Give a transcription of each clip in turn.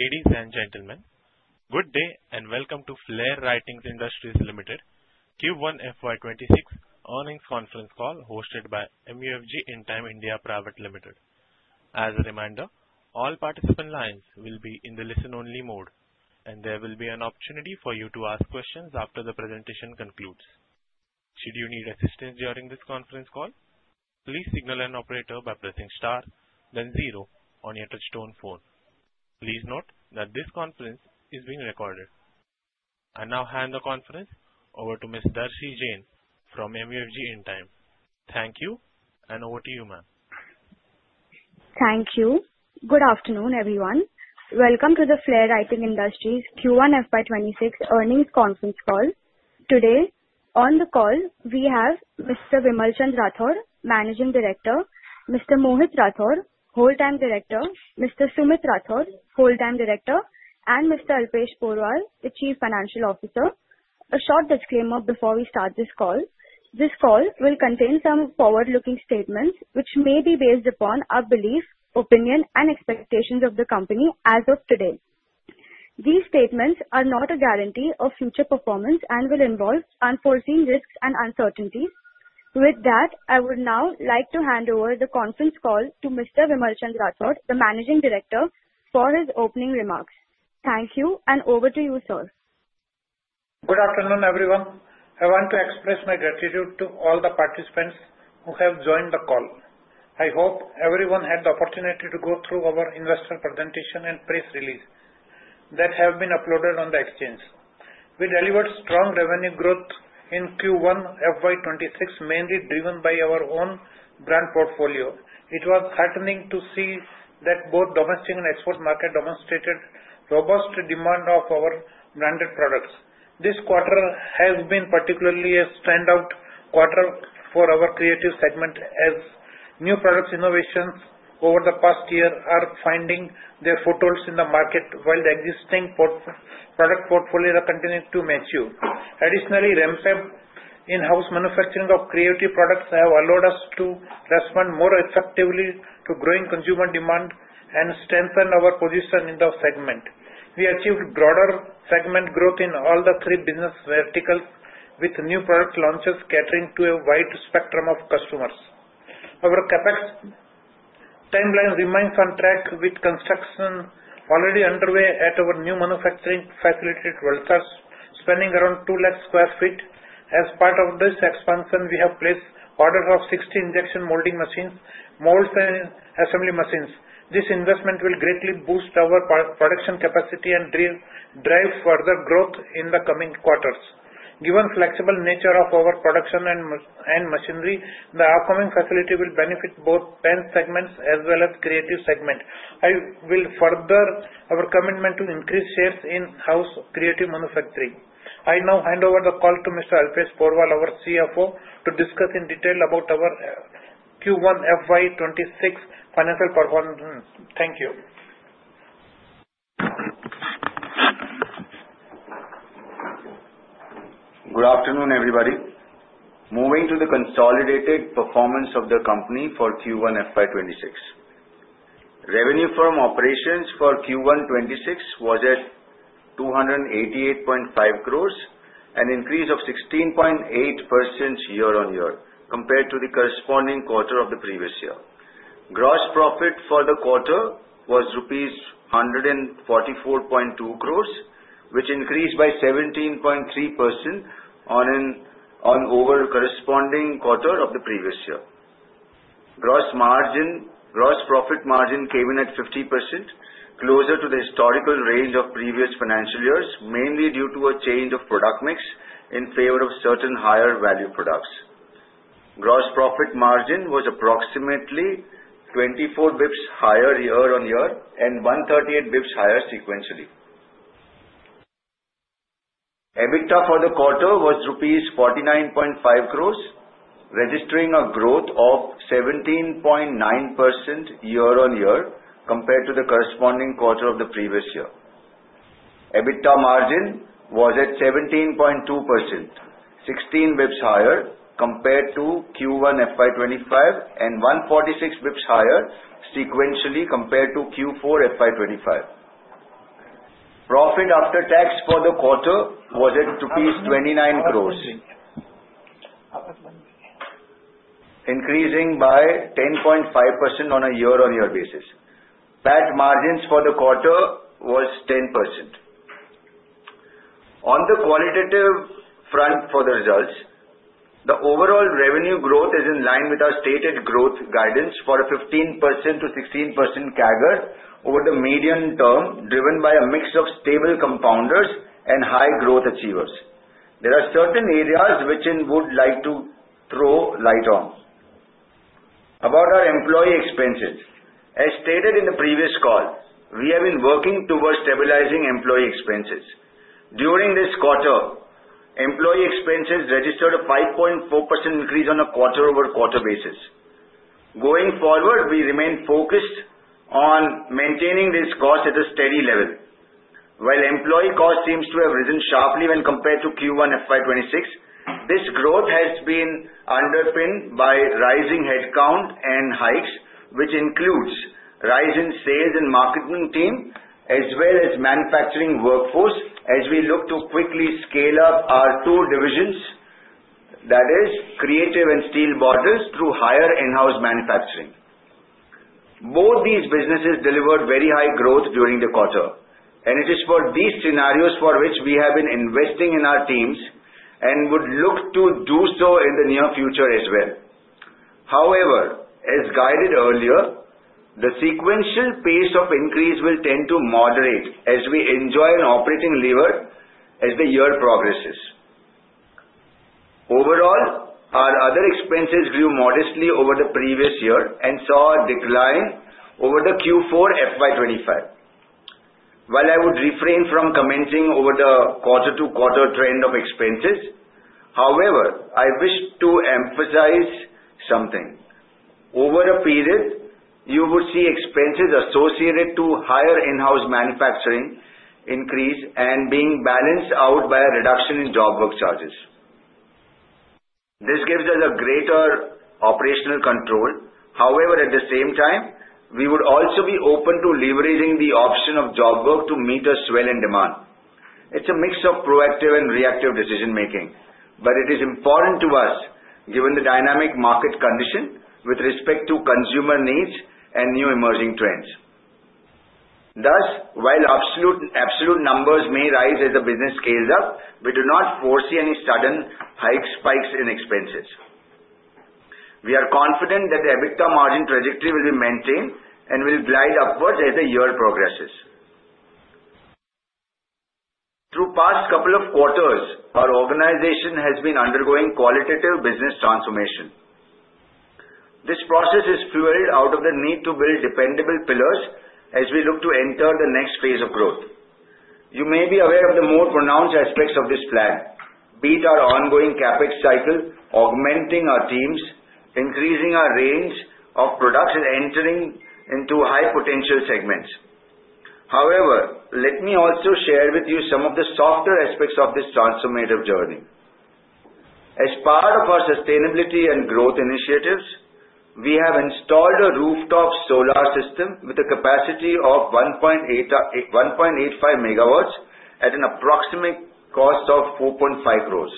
Ladies and gentlemen, good day and welcome to Flair Writing Industries Limited Q1 FY 2026 earnings conference call hosted by MUFG Intime India Private Limited. As a reminder, all participant lines will be in the listen-only mode, and there will be an opportunity for you to ask questions after the presentation concludes. Should you need assistance during this conference call, please signal an operator by pressing star, then zero on your touch-tone phone. Please note that this conference is being recorded. I now hand the conference over to Ms. Darshi Jain from MUFG Intime. Thank you, and over to you, ma'am. Thank you. Good afternoon, everyone. Welcome to the Flair Writing Industries Q1 FY 2026 earnings conference call. Today, on the call, we have Mr. Vimalchand Rathod, Managing Director, Mr. Mohit Rathod, Whole-Time Director, Mr. Sumit Rathod, Whole-Time Director, and Mr. Alpesh Porwal, the Chief Financial Officer. A short disclaimer before we start this call: this call will contain some forward-looking statements which may be based upon our belief, opinion, and expectations of the company as of today. These statements are not a guarantee of future performance and will involve unforeseen risks and uncertainties. With that, I would now like to hand over the conference call to Mr. Vimalchand Rathod, the Managing Director, for his opening remarks. Thank you, and over to you, sir. Good afternoon, everyone. I want to express my gratitude to all the participants who have joined the call. I hope everyone had the opportunity to go through our investor presentation and press release that have been uploaded on the exchange. We delivered strong revenue growth in Q1 FY 2026, mainly driven by our own brand portfolio. It was heartening to see that both domestic and export market demonstrated robust demand of our branded products. This quarter has been particularly a standout quarter for our Creative segment, as new product innovations over the past year are finding their footholds in the market while the existing product portfolio continued to mature. Additionally, ramped in-house manufacturing of Creative products has allowed us to respond more effectively to growing consumer demand and strengthen our position in the segment. We achieved broader segment growth in all the three business verticals with new product launches catering to a wide spectrum of customers. Our CapEx timeline remains on track with construction already underway at our new manufacturing facility at Valsad, spanning around 2 lakh sq ft. As part of this expansion, we have placed orders of 60 injection molding machines, molds, and assembly machines. This investment will greatly boost our production capacity and drive further growth in the coming quarters. Given the flexible nature of our production and machinery, the upcoming facility will benefit both Pen segments as well as the Creative segment. I will further our commitment to increase shares in-house creative manufacturing. I now hand over the call to Mr. Alpesh Porwal, our CFO, to discuss in detail about our Q1 FY 2026 financial performance. Thank you. Good afternoon, everybody. Moving to the consolidated performance of the company for Q1 FY 2026, revenue from operations for Q1 FY 2026 was at 288.5 crores, an increase of 16.8% year-on-year compared to the corresponding quarter of the previous year. Gross profit for the quarter was rupees 144.2 crores, which increased by 17.3% over the corresponding quarter of the previous year. Gross profit margin came in at 50%, closer to the historical range of previous financial years, mainly due to a change of product mix in favor of certain higher-value products. Gross profit margin was approximately 24 basis points higher year-on-year and 138 basis points higher sequentially. EBITDA for the quarter was 49.5 crores rupees, registering a growth of 17.9% year-on-year compared to the corresponding quarter of the previous year. EBITDA margin was at 17.2%, 16 basis points higher compared to Q1 FY 2025, and 146 basis points higher sequentially compared to Q4 FY 2025. Profit after tax for the quarter was at rupees 29 crores, increasing by 10.5% on a year-on-year basis. PAT margins for the quarter was 10%. On the qualitative front for the results, the overall revenue growth is in line with our stated growth guidance for a 15%-16% CAGR over the medium term, driven by a mix of stable compounders and high growth achievers. There are certain areas which I would like to throw light on. About our employee expenses, as stated in the previous call, we have been working towards stabilizing employee expenses. During this quarter, employee expenses registered a 5.4% increase on a quarter-over-quarter basis. Going forward, we remain focused on maintaining these costs at a steady level. While employee costs seem to have risen sharply when compared to Q1 FY 2026, this growth has been underpinned by rising headcount and hikes, which includes rising sales and marketing team as well as manufacturing workforce, as we look to quickly scale up our two divisions, that is, Creative and Steel Bottles, through higher in-house manufacturing. Both these businesses delivered very high growth during the quarter, and it is for these scenarios for which we have been investing in our teams and would look to do so in the near future as well. However, as guided earlier, the sequential pace of increase will tend to moderate as we enjoy an operating leverage as the year progresses. Overall, our other expenses grew modestly over the previous year and saw a decline over the Q4 FY 2025. While I would refrain from commenting over the quarter-to-quarter trend of expenses, however, I wish to emphasize something. Over a period, you would see expenses associated with higher in-house manufacturing increase and being balanced out by a reduction in job work charges. This gives us a greater operational control. However, at the same time, we would also be open to leveraging the option of job work to meet a swell in demand. It's a mix of proactive and reactive decision-making, but it is important to us, given the dynamic market condition with respect to consumer needs and new emerging trends. Thus, while absolute numbers may rise as the business scales up, we do not foresee any sudden hike spikes in expenses. We are confident that the EBITDA margin trajectory will be maintained and will glide upwards as the year progresses. Through the past couple of quarters, our organization has been undergoing qualitative business transformation. This process is fueled out of the need to build dependable pillars as we look to enter the next phase of growth. You may be aware of the more pronounced aspects of this plan, be it our ongoing CapEx cycle, augmenting our teams, increasing our range of products, and entering into high-potential segments. However, let me also share with you some of the softer aspects of this transformative journey. As part of our sustainability and growth initiatives, we have installed a rooftop solar system with a capacity of 1.85 MW at an approximate cost of 4.5 crores.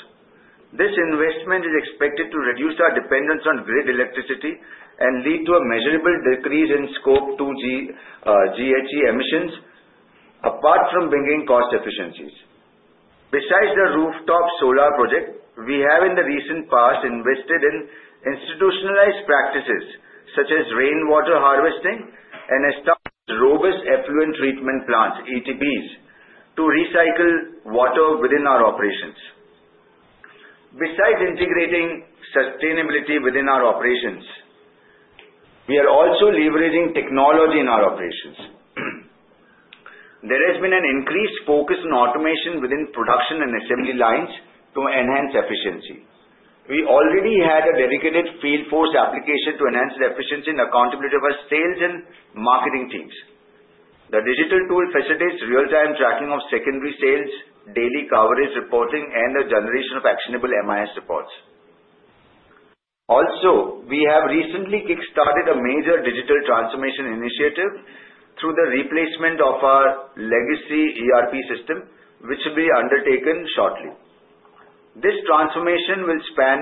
This investment is expected to reduce our dependence on grid electricity and lead to a measurable decrease in Scope 2 GHG emissions, apart from bringing cost efficiencies. Besides the rooftop solar project, we have, in the recent past, invested in institutionalized practices such as rainwater harvesting and established robust effluent treatment plants, ETPs, to recycle water within our operations. Besides integrating sustainability within our operations, we are also leveraging technology in our operations. There has been an increased focus on automation within production and assembly lines to enhance efficiency. We already had a dedicated field force application to enhance efficiency and accountability of our sales and marketing teams. The digital tool facilitates real-time tracking of secondary sales, daily coverage reporting, and the generation of actionable MIS reports. Also, we have recently kick-started a major digital transformation initiative through the replacement of our legacy ERP system, which will be undertaken shortly. This transformation will span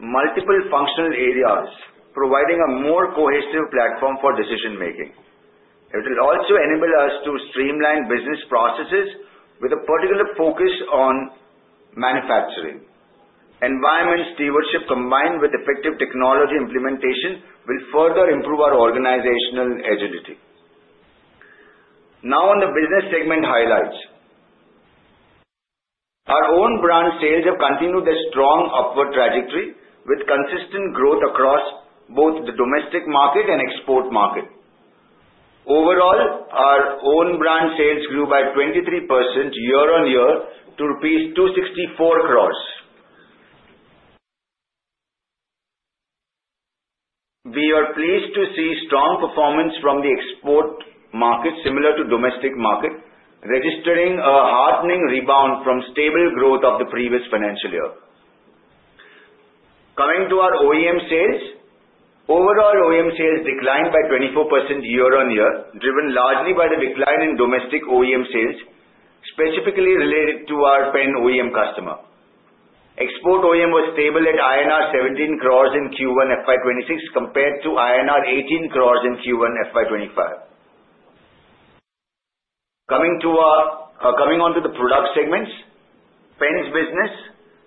multiple functional areas, providing a more cohesive platform for decision-making. It will also enable us to streamline business processes with a particular focus on manufacturing. Environmental stewardship combined with effective technology implementation will further improve our organizational agility. Now, on the business segment highlights, our own brand sales have continued a strong upward trajectory with consistent growth across both the domestic market and export market. Overall, our own brand sales grew by 23% year-on-year to INR 264 crores. We are pleased to see strong performance from the export market, similar to the domestic market, registering a heartening rebound from stable growth of the previous financial year. Coming to our OEM sales, overall OEM sales declined by 24% year-on-year, driven largely by the decline in domestic OEM sales, specifically related to our pen OEM customer. Export OEM was stable at INR 17 crores in Q1 FY 2026 compared to INR 18 crores in Q1 FY 2025. Coming on to the product segments, Pen business,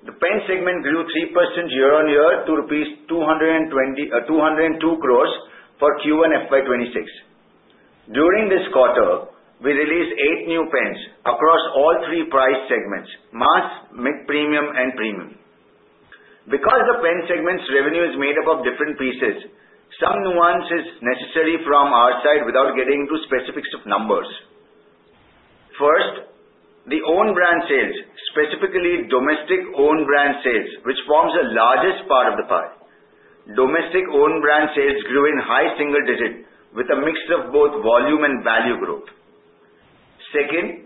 the Pen segment grew 3% year-on-year to rupees 202 crores for Q1 FY 2026. During this quarter, we released eight new pens across all three price segments: mass, mid-premium, and premium. Because the pen segment's revenue is made up of different pieces, some nuances are necessary from our side without getting into specifics of numbers. First, the own brand sales, specifically domestic own brand sales, which forms the largest part of the pie. Domestic own brand sales grew in high single digits with a mix of both volume and value growth. Second,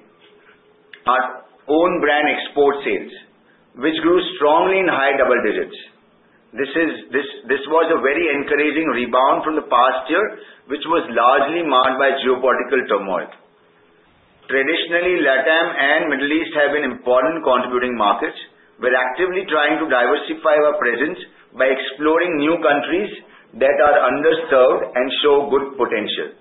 our own brand export sales, which grew strongly in high double digits. This was a very encouraging rebound from the past year, which was largely marked by geopolitical turmoil. Traditionally, LatAm and the Middle East have been important contributing markets. We're actively trying to diversify our presence by exploring new countries that are underserved and show good potential.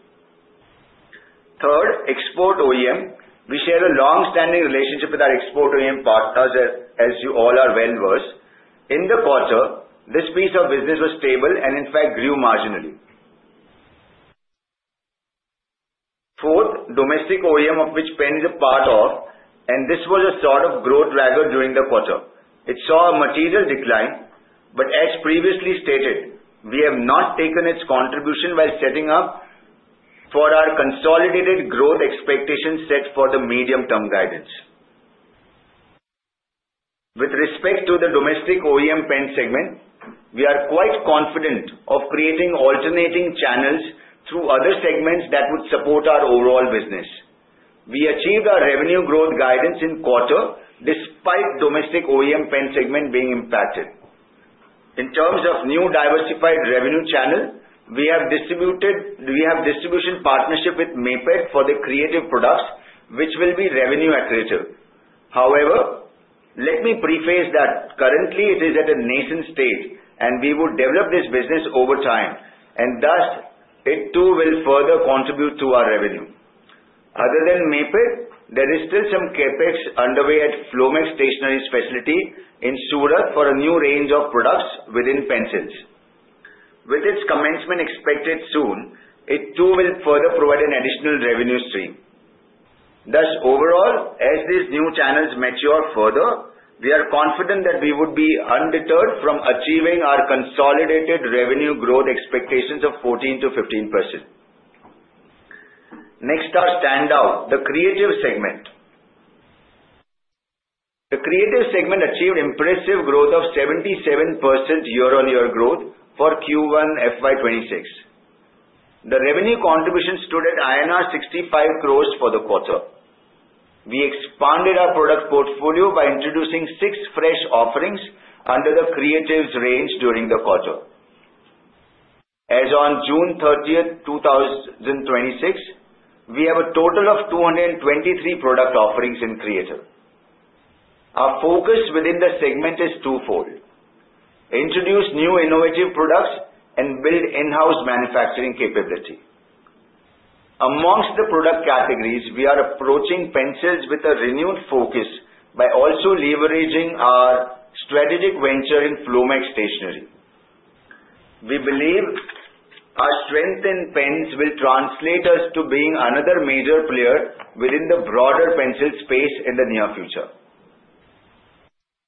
Third, export OEM, we share a long-standing relationship with our export OEM partners, as you all are well aware. In the quarter, this piece of business was stable and, in fact, grew marginally. Fourth, domestic OEM, of which pen is a part, and this was a sort of growth dragger during the quarter. It saw a material decline, but as previously stated, we have not taken its contribution while setting up for our consolidated growth expectations set for the medium-term guidance. With respect to the domestic OEM pen segment, we are quite confident in creating alternating channels through other segments that would support our overall business. We achieved our revenue growth guidance in quarter, despite domestic OEM pen segment being impacted. In terms of new diversified revenue channel, we have distributed a distribution partnership with Maped for the creative products, which will be revenue-accretive. However, let me preface that currently, it is at a nascent stage, and we would develop this business over time, and thus, it too will further contribute to our revenue. Other than Maped, there is still some CapEx underway at Flomaxe Stationery's facility in Surat for a new range of products within pencils. With its commencement expected soon, it too will further provide an additional revenue stream. Thus, overall, as these new channels mature further, we are confident that we would be undeterred from achieving our consolidated revenue growth expectations of 14%-15%. Next, our standout, the Creative segment. The Creative segment achieved impressive growth of 77% year-on-year for Q1 FY 2026. The revenue contribution stood at INR 65 crores for the quarter. We expanded our product portfolio by introducing six fresh offerings under the Creatives range during the quarter. As of June 30th, 2026, we have a total of 223 product offerings in Creative. Our focus within the segment is twofold: introduce new innovative products and build in-house manufacturing capability. Among the product categories, we are approaching pencils with a renewed focus by also leveraging our strategic venture in Flomaxe Stationery. We believe our strength in Pens will translate us to being another major player within the broader pencil space in the near future.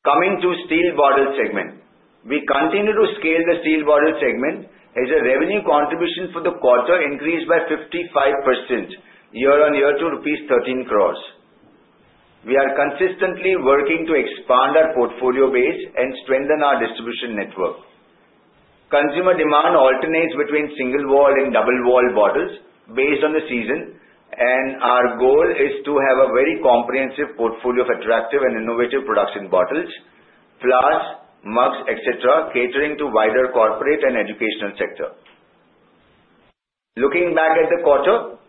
Coming to Steel Bottle segment, we continue to scale the Steel Bottle segment, as revenue contribution for the quarter increased by 55% year-on-year to rupees 13 crores. We are consistently working to expand our portfolio base and strengthen our distribution network. Consumer demand alternates between single-wall and double-wall bottles based on the season, and our goal is to have a very comprehensive portfolio of attractive and innovative production bottles, flasks, mugs, etc., catering to wider corporate and educational sector. Looking back at the quarter,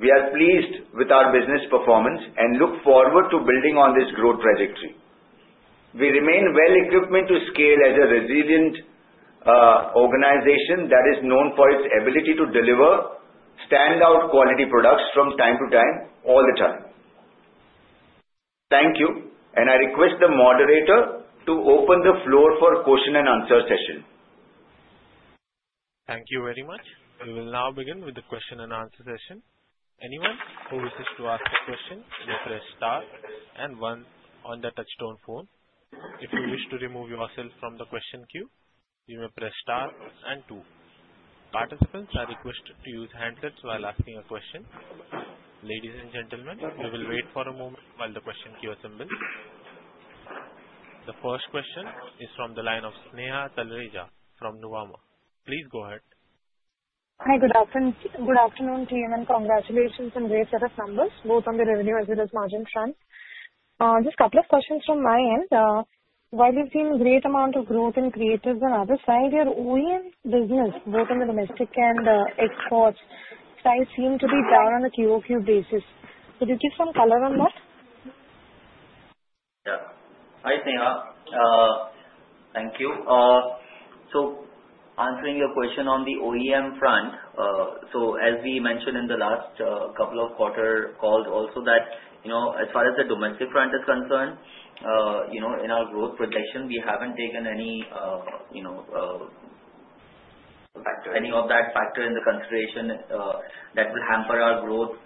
we are pleased with our business performance and look forward to building on this growth trajectory. We remain well-equipped to scale as a resilient organization that is known for its ability to deliver standout quality products from time to time, all the time. Thank you, and I request the moderator to open the floor for a question-and-answer session. Thank you very much. We will now begin with the question-and-answer session. Anyone who wishes to ask a question may press star and one on the touch-tone phone. If you wish to remove yourself from the question queue, you may press star and two. Participants are requested to use handsets while asking a question. Ladies and gentlemen, we will wait for a moment while the question queue assembles. The first question is from the line of Sneha Talreja from Nuvama. Please go ahead. Hi, good afternoon to you, and congratulations on raising a set of numbers, both on the revenue as well as margin front. Just a couple of questions from my end. While you've seen a great amount of growth in Creatives and others, why are your OEM business, both on the domestic and export side, seeming to be down on a Q-o-Q basis? Could you give some color on that? Yeah. Hi, Sneha. Thank you. So answering your question on the OEM front, so as we mentioned in the last couple of quarter calls also, that as far as the domestic front is concerned, in our growth projection, we haven't taken any of that factor into consideration that will hamper our growth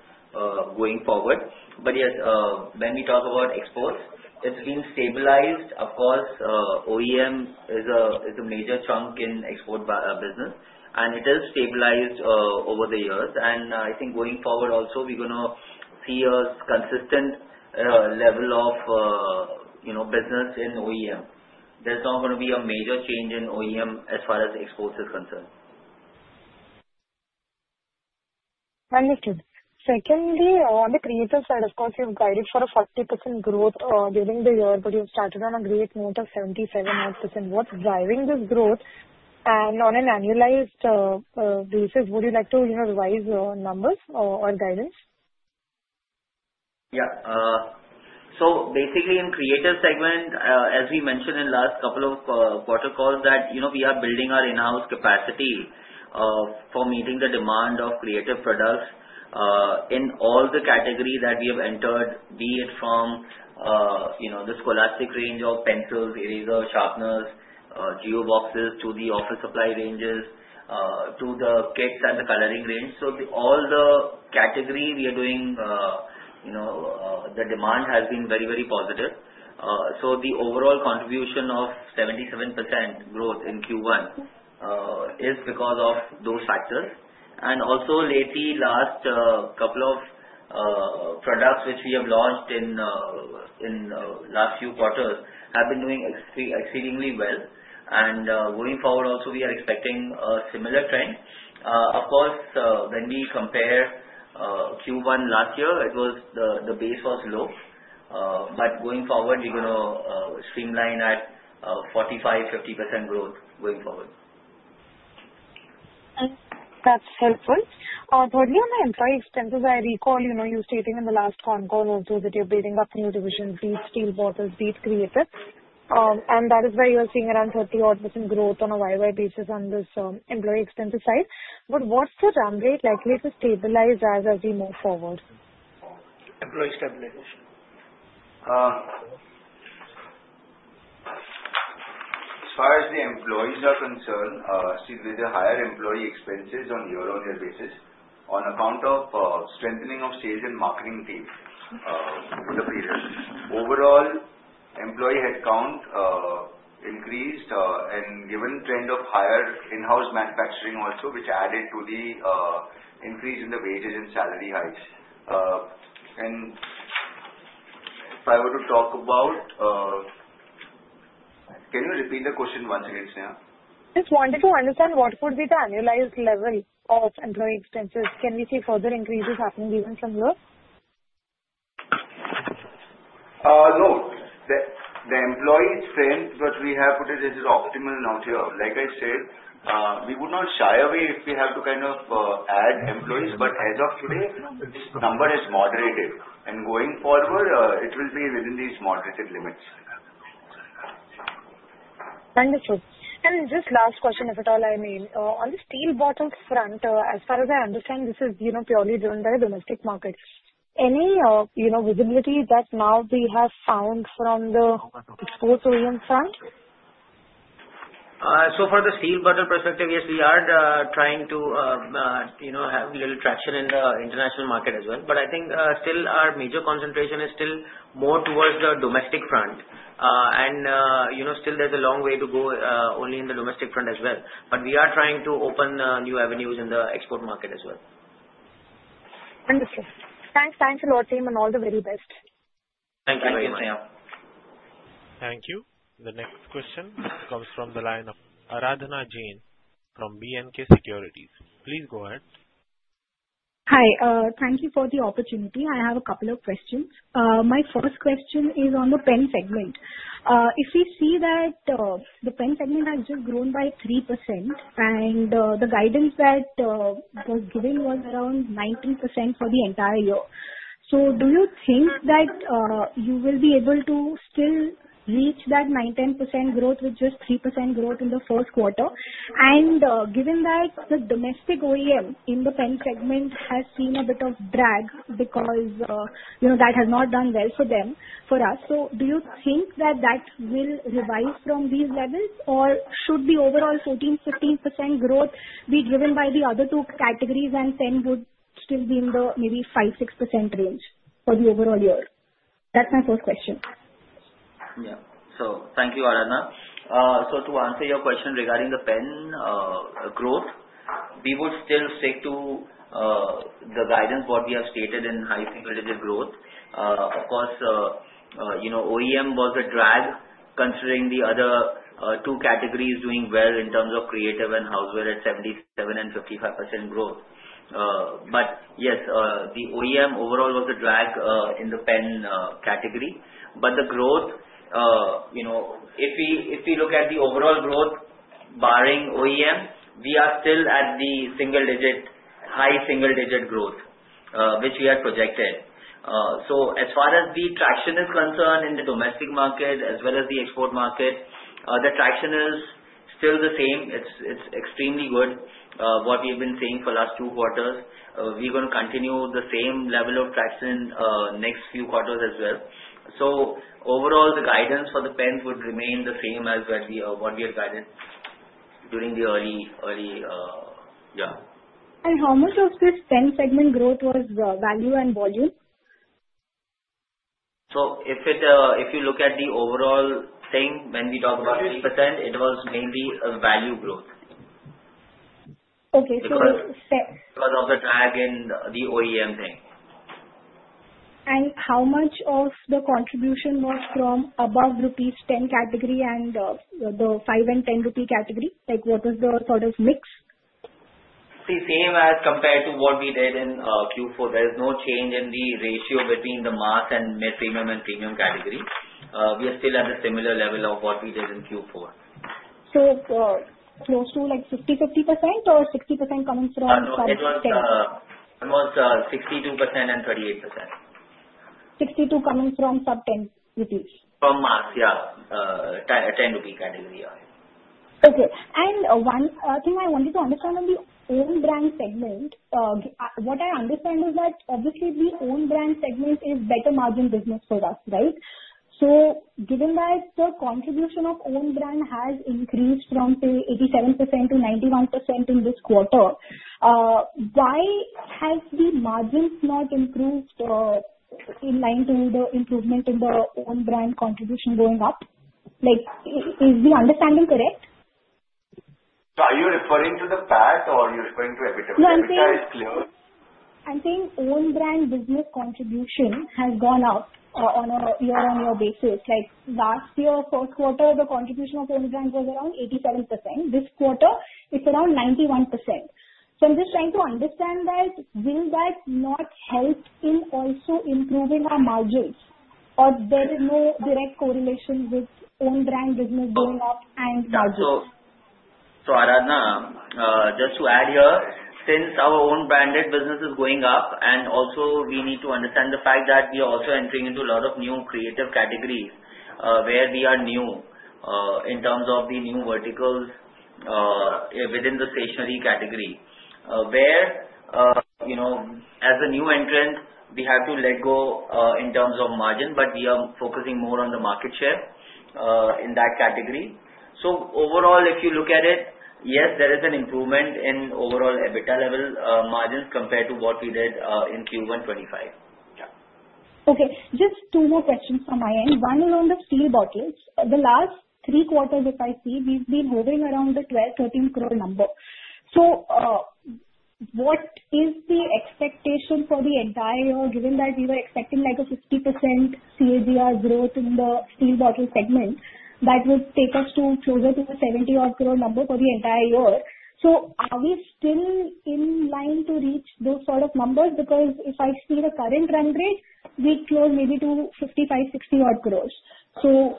going forward. But yes, when we talk about exports, it's been stabilized. Of course, OEM is a major chunk in export business, and it has stabilized over the years. And I think going forward also, we're going to see a consistent level of business in OEM. There's not going to be a major change in OEM as far as exports are concerned. Thank you. Secondly, on the Creative side, of course, you've guided for a 40% growth during the year, but you've started on a great note of 77%. What's driving this growth? On an annualized basis, would you like to revise your numbers or guidance? Yeah. So basically, in Creative segment, as we mentioned in the last couple of quarter calls, that we are building our in-house capacity for meeting the demand of Creative products in all the categories that we have entered, be it from the scholastic range of pencils, erasers, sharpeners, geo boxes, to the office supply ranges, to the kits and the coloring range. So all the categories we are doing, the demand has been very, very positive. So the overall contribution of 77% growth in Q1 is because of those factors. And also, lately, the last couple of products which we have launched in the last few quarters have been doing exceedingly well. And going forward also, we are expecting a similar trend. Of course, when we compare Q1 last year, the base was low. But going forward, we're going to streamline at 45%-50% growth going forward. That's helpful. Thirdly, on the employee expenses, I recall you stating in the last con call also that you're building up new divisions, be it Steel Bottles, be it Creatives. And that is where you're seeing around 30% growth on a Y-o-Y basis on this employee expenses side. But what's the run rate likely to stabilize as we move forward? Employee stabilization. As far as the employees are concerned, see, with the higher employee expenses on a year-on-year basis, on account of strengthening of sales and marketing teams in the previous period, overall employee headcount increased and given the trend of higher in-house manufacturing also, which added to the increase in the wages and salary hikes. And if I were to talk about, can you repeat the question once again, Sneha? Just wanted to understand what would be the annualized level of employee expenses. Can we see further increases happening even from here? No. The employee strength that we have put it as optimal now here. Like I said, we would not shy away if we have to kind of add employees. But as of today, this number is moderated. And going forward, it will be within these moderated limits. Thank you. And just last question, if at all, I may. On the Steel Bottle front, as far as I understand, this is purely driven by the domestic market. Any visibility that now we have found from the export OEM front? So for the Steel Bottle perspective, yes, we are trying to have a little traction in the international market as well. But I think still our major concentration is still more towards the domestic front. And still, there's a long way to go only in the domestic front as well. But we are trying to open new avenues in the export market as well. Thank you. Thanks a lot, team, and all the very best. Thank you very much. Thank you, Sneha. Thank you. The next question comes from the line of Aradhana Jain from B&K Securities. Please go ahead. Hi. Thank you for the opportunity. I have a couple of questions. My first question is on the Pen segment. If we see that the Pen segment has just grown by 3%, and the guidance that was given was around 19% for the entire year, so do you think that you will be able to still reach that 9%-10% growth with just 3% growth in the first quarter? Given that the domestic OEM in the Pen segment has seen a bit of drag because that has not done well for us, so do you think that that will revive from these levels, or should the overall 14%-15% growth be driven by the other two categories and Pen would still be in the maybe 5%-6% range for the overall year? That's my first question. Yeah. Thank you, Aradhana. To answer your question regarding the Pen growth, we would still stick to the guidance, what we have stated in high single-digit growth. Of course, OEM was a drag considering the other two categories doing well in terms of creative and houseware at 77% and 55% growth. Yes, the OEM overall was a drag in the Pen category. But the growth, if we look at the overall growth barring OEM, we are still at the high single-digit growth, which we had projected. So as far as the traction is concerned in the domestic market as well as the export market, the traction is still the same. It's extremely good, what we have been seeing for the last two quarters. We're going to continue the same level of traction in the next few quarters as well. So overall, the guidance for the pens would remain the same as what we had guided during the early, early year. And how much of this pen segment growth was value and volume? So if you look at the overall thing, when we talk about 3%, it was mainly value growth. Because of the drag in the OEM thing. How much of the contribution was from above Rs 10 category and the Rs 5 and Rs 10 category? What was the sort of mix? See, same as compared to what we did in Q4. There is no change in the ratio between the mass and mid-premium and premium category. We are still at the similar level of what we did in Q4. So close to like 50%, or 60% coming from sub-10? It was 62% and 38%. 62% coming from sub-10? From mass, yeah. INR 10 category, yeah. Okay. One thing I wanted to understand on the own brand segment. What I understand is that obviously the own brand segment is better margin business for us, right? So given that the contribution of own brand has increased from, say, 87% to 91% in this quarter, why has the margins not improved in line to the improvement in the own brand contribution going up? Is the understanding correct? Are you referring to the PAT, or are you referring to EBITDA? No, I'm saying own brand business contribution has gone up on a year-on-year basis. Last year, first quarter, the contribution of own brand was around 87%. This quarter, it's around 91%. So I'm just trying to understand that will that not help in also improving our margins, or there is no direct correlation with own brand business going up and margins? Aradhana, just to add here, since our own branded business is going up, and also we need to understand the fact that we are also entering into a lot of new creative categories where we are new in terms of the new verticals within the stationery category, where as a new entrant, we have to let go in terms of margin, but we are focusing more on the market share in that category. Overall, if you look at it, yes, there is an improvement in overall EBITDA level margins compared to what we did in Q1 FY 2025. Okay. Just two more questions from my end. One around the steel bottles. The last three quarters, if I see, we've been hovering around the 12 crore-13 crore number. So what is the expectation for the entire year, given that we were expecting like a 50% CAGR growth in the steel bottle segment that would take us closer to the 70-odd crore number for the entire year? So are we still in line to reach those sort of numbers? Because if I see the current run rate, we clock maybe to INR 55crore-INR 60-odd crores. So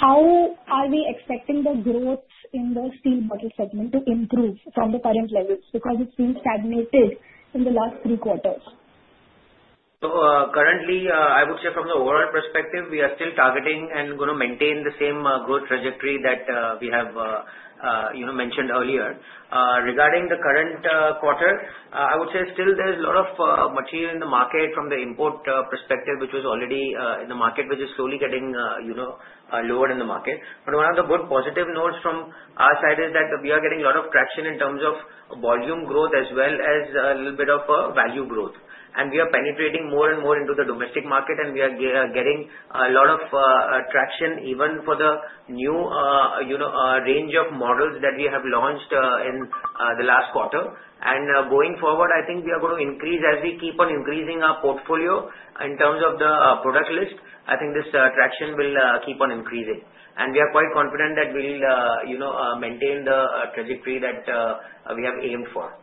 how are we expecting the growth in the Steel Bottle segment to improve from the current levels? Because it's been stagnated in the last three quarters. So currently, I would say from the overall perspective, we are still targeting and going to maintain the same growth trajectory that we have mentioned earlier. Regarding the current quarter, I would say still there's a lot of material in the market from the import perspective, which was already in the market, which is slowly getting lowered in the market. But one of the good positive notes from our side is that we are getting a lot of traction in terms of volume growth as well as a little bit of value growth. And we are penetrating more and more into the domestic market, and we are getting a lot of traction even for the new range of models that we have launched in the last quarter. And going forward, I think we are going to increase as we keep on increasing our portfolio in terms of the product list. I think this traction will keep on increasing. And we are quite confident that we'll maintain the trajectory that we have aimed for.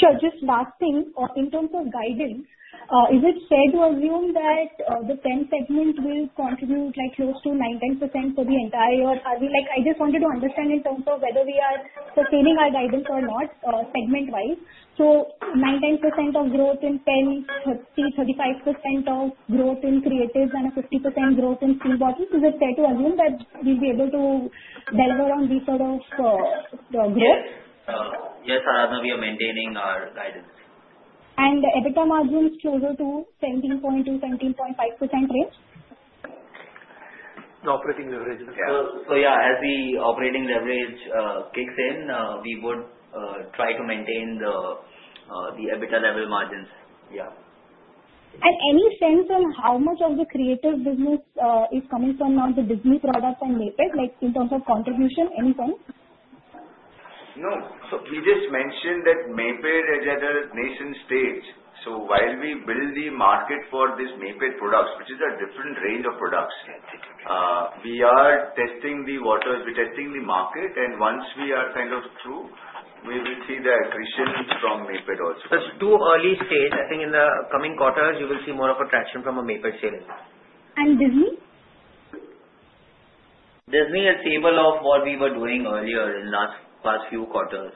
Sure. Just last thing. In terms of guidance, is it fair to assume that the pen segment will contribute like close to 9%-10% for the entire year? I just wanted to understand in terms of whether we are sustaining our guidance or not segment-wise. So 9%-10% of growth in Pen, 30%-35% of growth in Creatives, and a 50% growth in Steel Bottles. Is it fair to assume that we'll be able to deliver on these sort of growth? Yes, Aradhana, we are maintaining our guidance. And the EBITDA margins closer to 17.2%-17.5% range? The operating leverage. So yeah, as the operating leverage kicks in, we would try to maintain the EBITDA level margins. Yeah. And any sense on how much of the Creative business is coming from now, the Disney products and Maped, in terms of contribution? Any sense? No. So we just mentioned that Maped is at a nascent stage. So while we build the market for these Maped products, which is a different range of products, we are testing the waters. We're testing the market. And once we are kind of through, we will see the accretion from Maped also. Just too early stage. I think in the coming quarters, you will see more of a traction from a Maped sales. And Disney? Disney is stable of what we were doing earlier in the last few quarters.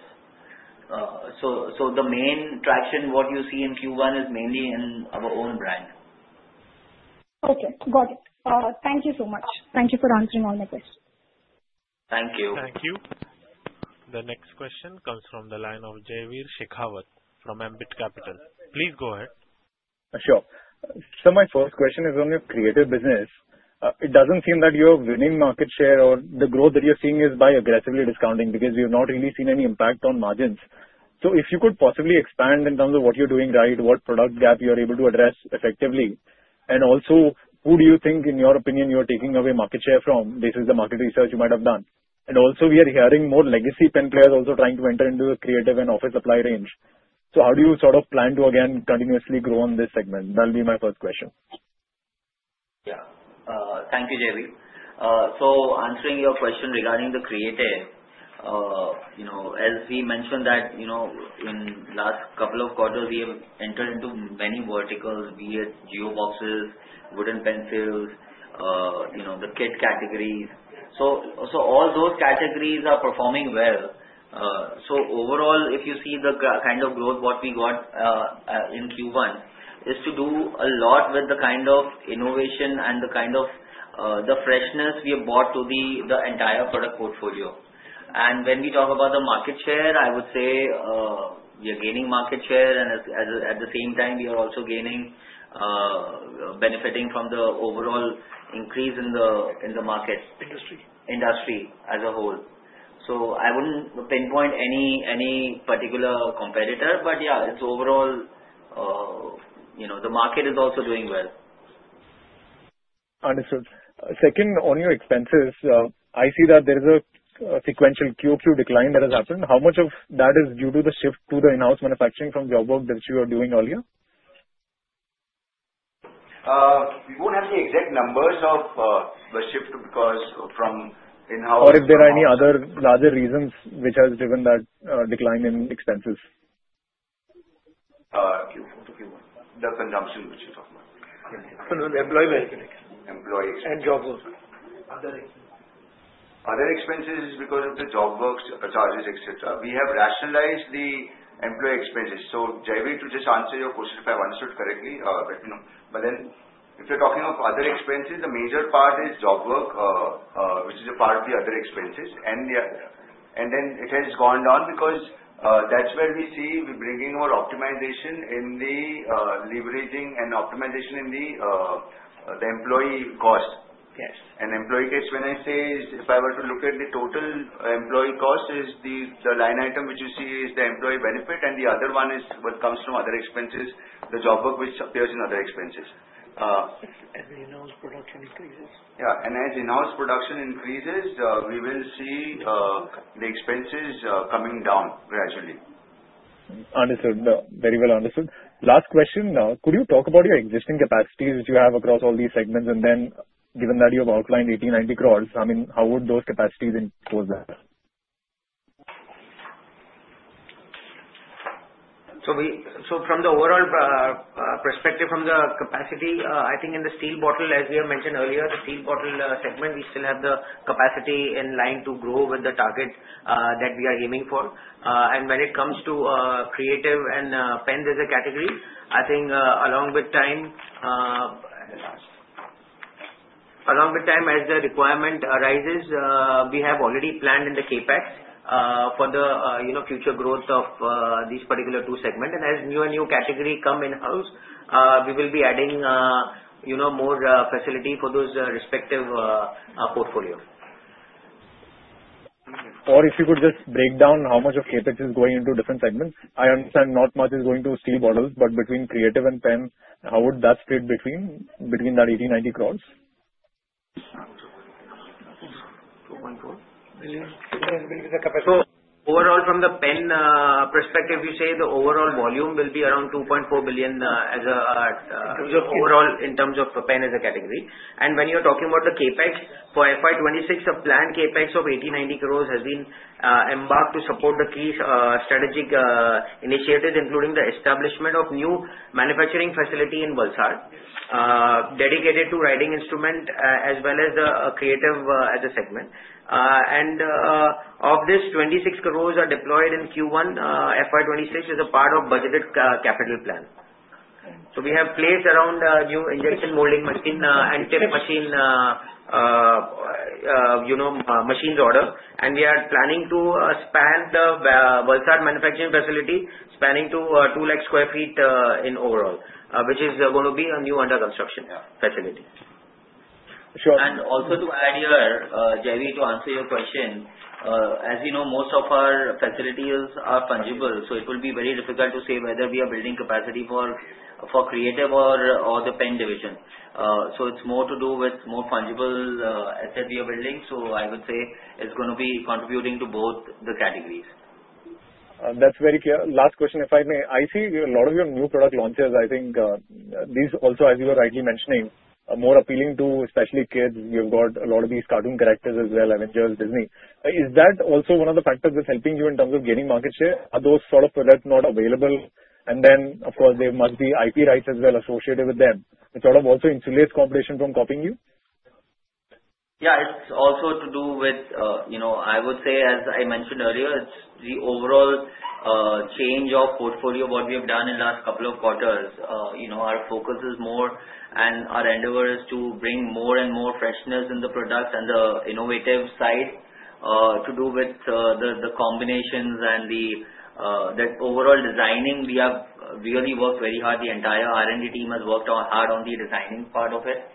So the main traction, what you see in Q1, is mainly in our own brand. Okay. Got it. Thank you so much. Thank you for answering all my questions. Thank you. Thank you. The next question comes from the line of Jaiveer Shekhawat from Ambit Capital. Please go ahead. Sure. So my first question is on your creative business. It doesn't seem that you're winning market share or the growth that you're seeing is by aggressively discounting because you've not really seen any impact on margins. So if you could possibly expand in terms of what you're doing right, what product gap you're able to address effectively, and also who do you think, in your opinion, you're taking away market share from, this is the market research you might have done. Also, we are hearing more legacy pen players also trying to enter into the creative and office supply range. So how do you sort of plan to, again, continuously grow on this segment? That'll be my first question. Yeah. Thank you, Jaiveer. So answering your question regarding the Creative, as we mentioned that in the last couple of quarters, we have entered into many verticals, be it geoboxes, wooden pencils, the kit categories. So all those categories are performing well. So overall, if you see the kind of growth what we got in Q1, it's to do a lot with the kind of innovation and the kind of the freshness we have brought to the entire product portfolio. And when we talk about the market share, I would say we are gaining market share. And at the same time, we are also benefiting from the overall increase in the market. Industry. Industry as a whole. So I wouldn't pinpoint any particular competitor, but yeah, it's overall the market is also doing well. Understood. Second, on your expenses, I see that there is a sequential Q-o-Q decline that has happened. How much of that is due to the shift to the in-house manufacturing from job work that you were doing earlier? We won't have the exact numbers of the shift because from in-house. Or if there are any other larger reasons which has driven that decline in expenses, Q1 to Q1. The components which you're talking about. Employee benefits. Employee expenses. And job work. Other expenses. Other expenses is because of the job work charges, etc. We have rationalized the employee expenses. So Jaiveer, to just answer your question if I've understood correctly, let me know. But then if you're talking of other expenses, the major part is job work, which is a part of the other expenses. And then it has gone down because that's where we see we're bringing more optimization in the leveraging and optimization in the employee cost. And employee case, when I say, if I were to look at the total employee cost, the line item which you see is the employee benefit, and the other one is what comes from other expenses, the job work, which appears in other expenses. If in-house production increases. Yeah. And as in-house production increases, we will see the expenses coming down gradually. Understood. Very well understood. Last question. Could you talk about your existing capacities that you have across all these segments? And then given that you have outlined 80 crores-90 crores, I mean, how would those capacities impose that? So from the overall perspective from the capacity, I think in the steel bottle, as we have mentioned earlier, the Steel Bottle segment, we still have the capacity in line to grow with the target that we are aiming for. And when it comes to Creative and Pen as a category, I think along with time, along with time as the requirement arises, we have already planned in the CapEx for the future growth of these particular two segments. As new and new categories come in-house, we will be adding more facility for those respective portfolio. Or if you could just break down how much of CapEx is going into different segments. I understand not much is going to Steel Bottles, but between Creative and Pen, how would that split between that 80 crores-90 crores? INR 2.4 billion. So overall, from the pen perspective, you say the overall volume will be around 2.4 billion as an overall in terms of Pen as a category. And when you're talking about the CapEx, for FY 2026, a planned CapEx of 80 crores-90 crores has been earmarked to support the key strategic initiatives, including the establishment of new manufacturing facility in Valsad dedicated to writing instruments as well as the Creative as a segment. And of this, 26 crores are deployed in Q1 FY 2026 as a part of budgeted capital plan. So we have placed orders for new injection molding machines and tip making machines. And we are planning to expand the Valsad manufacturing facility, expanding to 2 lakh sq ft in overall, which is going to be a new under-construction facility. And also to add here, Jaiveer, to answer your question, as you know, most of our facilities are fungible. So it will be very difficult to say whether we are building capacity for Creative or the Pen division. So it's more to do with more fungible asset we are building. So I would say it's going to be contributing to both the categories. That's very clear. Last question, if I may. I see a lot of your new product launches. I think these also, as you were rightly mentioning, are more appealing, especially to kids. You've got a lot of these cartoon characters as well, Avengers, Disney. Is that also one of the factors that's helping you in terms of gaining market share? Are those sort of products not available? And then, of course, there must be IP rights as well associated with them. It sort of also insulates competition from copying you? Yeah. It's also to do with, I would say, as I mentioned earlier, it's the overall change of portfolio of what we have done in the last couple of quarters. Our focus is more, and our endeavor is to bring more and more freshness in the product and the innovative side to do with the combinations and the overall designing. We have really worked very hard. The entire R&D team has worked hard on the designing part of it.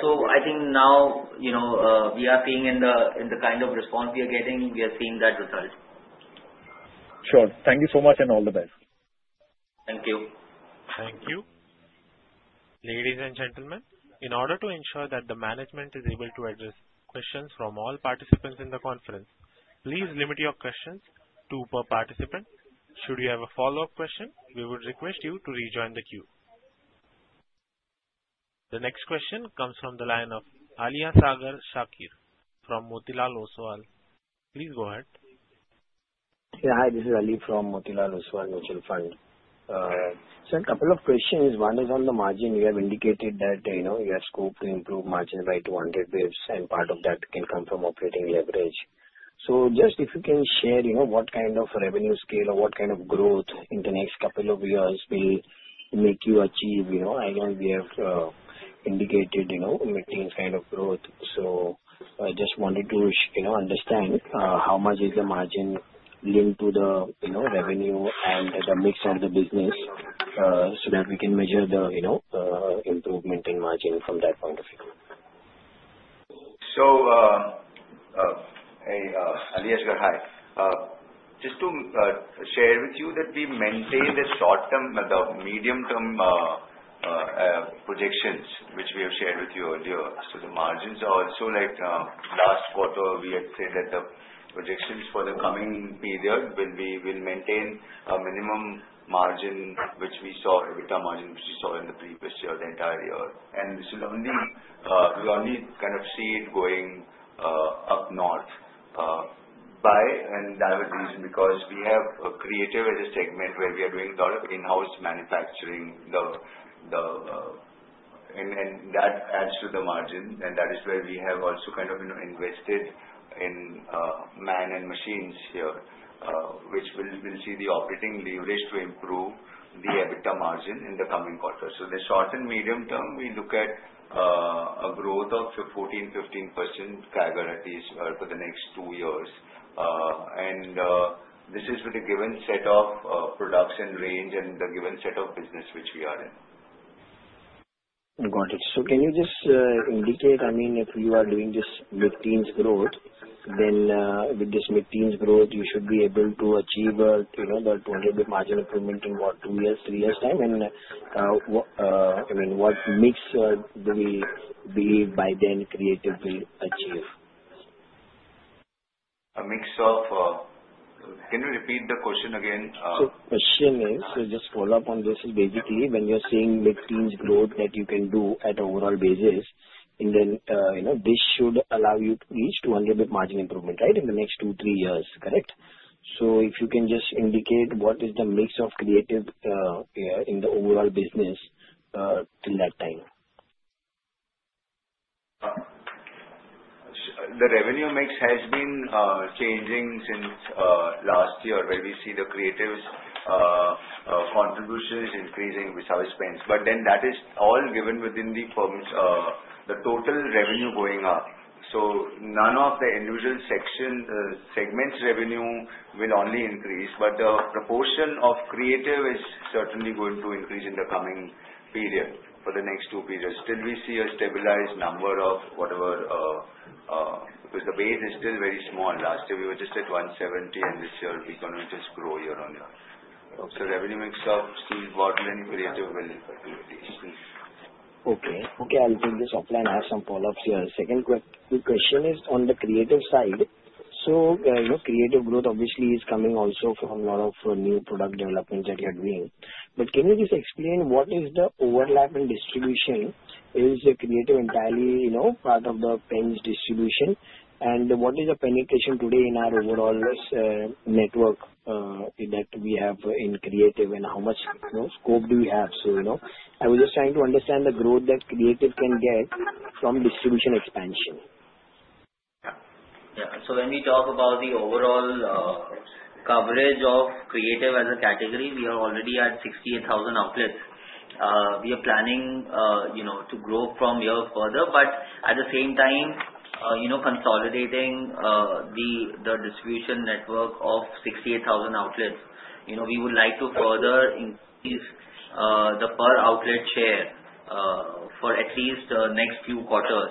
So I think now we are seeing in the kind of response we are getting, we are seeing that result. Sure. Thank you so much and all the best. Thank you. Thank you. Ladies and gentlemen, in order to ensure that the management is able to address questions from all participants in the conference, please limit your questions two per participant. Should you have a follow-up question, we would request you to rejoin the queue. The next question comes from the line of Aliasgar Shakir from Motilal Oswal. Please go ahead. Yeah. Hi. This is Ali from Motilal Oswal Mutual Fund. So a couple of questions. One is on the margin. You have indicated that you have scope to improve margin by 200 basis points, and part of that can come from operating leverage. So just if you can share what kind of revenue scale or what kind of growth in the next couple of years will make you achieve? Again, we have indicated maintenance kind of growth. So I just wanted to understand how much is the margin linked to the revenue and the mix of the business so that we can measure the improvement in margin from that point of view. So Ali, as you're aware, just to share with you that we maintain the short-term and the medium-term projections, which we have shared with you earlier. So the margins are also like last quarter, we had said that the projections for the coming period, we'll maintain a minimum margin, which we saw, EBITDA margin, which we saw in the previous year, the entire year. And we only kind of see it going up north. And that was the reason because we have creative as a segment where we are doing a lot of in-house manufacturing. And that adds to the margin. And that is where we have also kind of invested in man and machines here, which we'll see the operating leverage to improve the EBITDA margin in the coming quarters. So in the short and medium term, we look at a growth of 14%-15% categories for the next two years. And this is with a given set of production range and the given set of business which we are in. Got it. So can you just indicate, I mean, if you are doing this mid-teens growth, then with this mid-teens growth, you should be able to achieve the 200 basis point margin improvement in what, two years, three years' time? And what mix do we believe by then creatively achieve? A mix of, can you repeat the question again? The question is, just follow up on this is basically when you're seeing mid-teens growth that you can do at overall basis, and then this should allow you to reach 200 basis points margin improvement, right, in the next two, three years, correct? So if you can just indicate what is the mix of creative in the overall business till that time. The revenue mix has been changing since last year where we see the creative's contributions increasing with our spends. But then that is all given within the total revenue going up. So none of the individual segments' revenue will only increase, but the proportion of creative is certainly going to increase in the coming period for the next two periods. Still, we see a stabilized number of whatever because the base is still very small. Last year, we were just at 170 basis points, and this year we're going to just grow year-on-year. So revenue mix of steel bottle and creative will increase. Okay. Okay. I'll take this offline and have some follow-ups here. Second question is on the Creative side. So Creative growth obviously is coming also from a lot of new product developments that you are doing. But can you just explain what is the overlap and distribution? Is the creative entirely part of the Pen's distribution? And what is the penetration today in our overall network that we have in creative and how much scope do we have? So I was just trying to understand the growth that creative can get from distribution expansion. Yeah. Yeah. And so when we talk about the overall coverage of Creative as a category, we are already at 68,000 outlets. We are planning to grow from here further, but at the same time, consolidating the distribution network of 68,000 outlets. We would like to further increase the per outlet share for at least the next few quarters.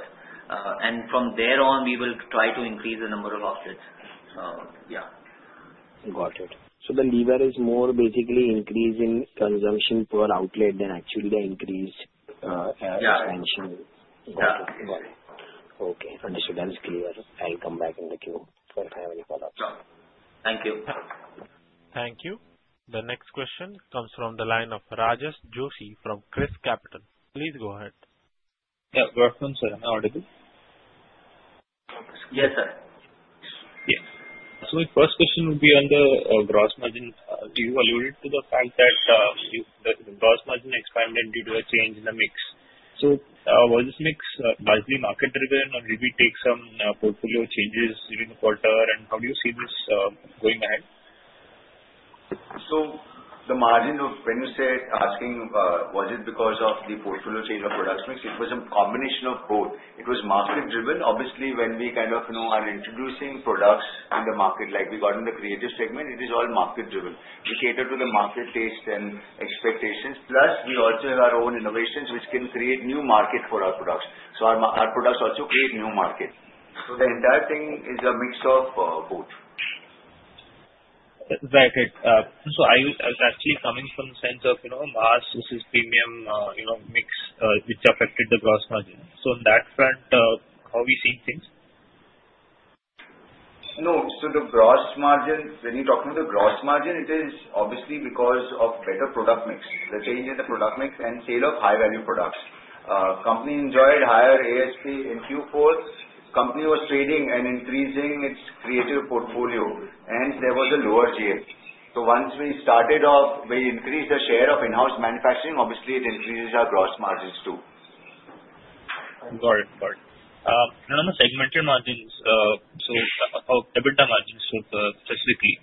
And from there on, we will try to increase the number of outlets. Yeah. Got it. So the lever is more basically increase in consumption per outlet than actually the increased expansion. Yeah. Yeah. Got it. Okay. Understood. That is clear. I'll come back in the queue for if I have any follow-ups. Thank you. Thank you. The next question comes from the line of Rajesh Joshi from ChrysCapital. Please go ahead. Yeah. Good afternoon, sir. Am I audible? Yes, sir. Yes. So my first question would be on the gross margin. You alluded to the fact that the gross margin expanded due to a change in the mix. So was this mix largely market-driven, or did we take some portfolio changes during the quarter, and how do you see this going ahead? So the margin of when you say asking, was it because of the portfolio change of products mix? It was a combination of both. It was market-driven. Obviously, when we kind of are introducing products in the market, like we got in the Creative segment, it is all market-driven. We cater to the market taste and expectations. Plus, we also have our own innovations which can create new market for our products. So our products also create new market. So the entire thing is a mix of both. That's very good. So I was actually coming from the sense of mass versus premium mix which affected the gross margin. So on that front, how are we seeing things? No. So the gross margin, when you're talking about the gross margin, it is obviously because of better product mix, the change in the product mix, and sale of high-value products. Company enjoyed higher ASP in Q4. Company was trading and increasing its creative portfolio, and there was a lower share. So once we started off, we increased the share of in-house manufacturing. Obviously, it increases our gross margins too. Got it. Got it. And on the segmented margins, so EBITDA margins specifically,